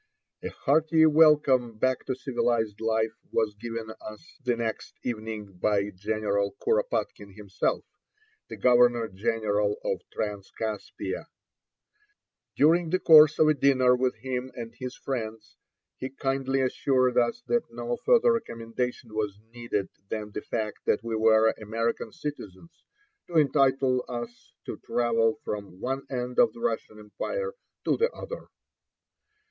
A hearty welcome back to civilized life was given us the next evening by General Kuropatkine himself, the Governor General of Transcaspia. During the course of a dinner with him and his friends, he kindly assured us that no further recommendation was needed than the fact that we were American citizens to entitle us to travel from one end of the Russian empire to the other.